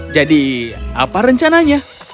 jadi apa rencananya